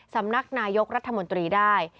สำนักนายกรัฐมนตรีได้